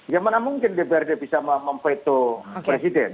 ya mana mungkin dprd bisa memveto presiden